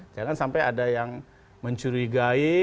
jangan sampai ada yang mencurigai